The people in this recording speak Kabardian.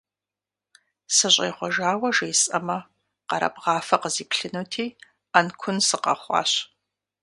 СыщӀегъуэжауэ жесӀэмэ, къэрабгъафэ къызиплъынути, Ӏэнкун сыкъэхъуащ.